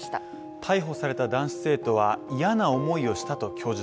逮捕された男子生徒は嫌な思いをしたと供述。